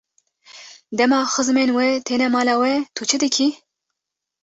Dema xizmên we têne mala we, tu çi dikî?